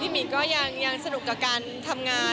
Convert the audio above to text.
หมินก็ยังสนุกกับการทำงาน